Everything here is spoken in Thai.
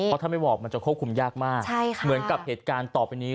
เพราะถ้าไม่บอกมันจะควบคุมยากมากเหมือนกับเหตุการณ์ต่อไปนี้